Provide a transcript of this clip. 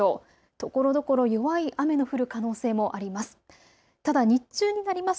ところどころ弱い雨の降る可能性もあります。